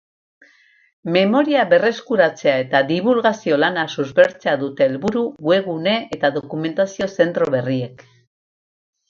Memoria berreskuratzea eta dibulgazio lana suspertzea dute helburu webgune eta dokumentazio zentro berriek.